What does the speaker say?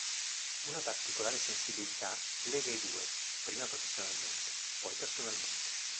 Una particolare sensibilità lega i due, prima professionalmente, poi personalmente.